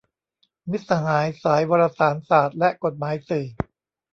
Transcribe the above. มิตรสหายสายวารสารศาสตร์และกฎหมายสื่อ